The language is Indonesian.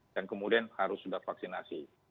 dan kemudian harus sudah vaksinasi